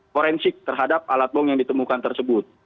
forensik terhadap alat bong yang ditemukan tersebut